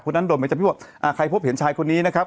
พี่บอกใครพบเห็นชายคนนี้นะครับ